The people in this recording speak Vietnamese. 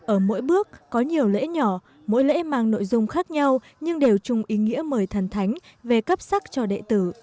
ở mỗi bước có nhiều lễ nhỏ mỗi lễ mang nội dung khác nhau nhưng đều chung ý nghĩa mời thần thánh về cấp sắc cho đệ tử